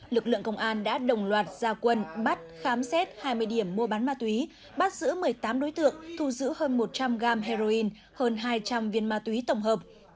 lực lượng công an đã đồng loạt gia quân bắt khám xét hai mươi điểm mua bán ma túy bắt giữ một mươi tám đối tượng thu giữ hơn một trăm linh gram heroin hơn hai trăm linh viên ma túy tổng hợp